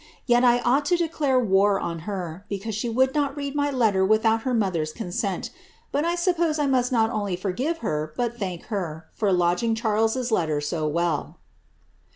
Yet I ought to declare war on her, because she would not read my letter with out her mother^s consent ; but I suppose I must not only foigive her, but thank her, for lodging Charles's letter so well."